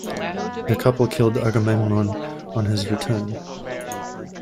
The couple killed Agamemnon on his return.